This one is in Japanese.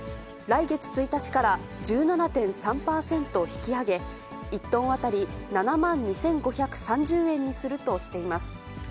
来月１日から１７．３％引き上げ、１トン当たり７万２５３０円にするとしています。